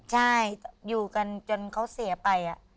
ใช่อยู่กันจนเขาเสียไป